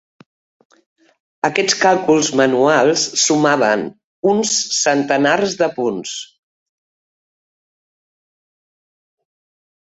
Aquests càlculs manuals sumaven "uns centenars de punts".